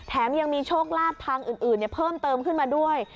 แถมยังมีโชคลาดทางอื่นอื่นเนี้ยเพิ่มเติมขึ้นมาด้วย